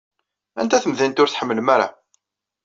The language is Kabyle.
Anta tamdint ur tḥemmlem ara?